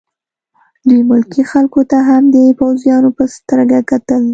دوی ملکي خلکو ته هم د پوځیانو په سترګه کتل